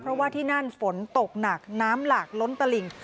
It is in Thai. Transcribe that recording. เพราะว่าที่นั่นฝนตกหนักน้ำหลากล้นตลิ่ง